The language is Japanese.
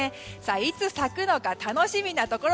いつ咲くのか楽しみなところ。